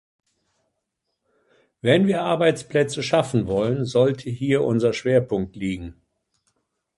Wenn wir Arbeitsplätze schaffen wollen, sollte hier unser Schwerpunkt liegen.